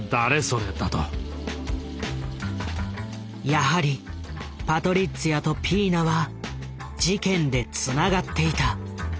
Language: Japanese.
やはりパトリッツィアとピーナは事件でつながっていた。